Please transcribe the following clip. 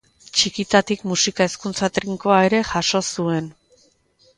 Txikitatik musika hezkuntza trinkoa ere jaso zuen.